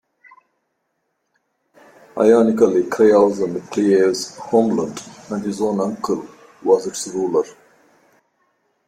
Ironically, Krios was Cliave's homeland, and his own uncle was its ruler.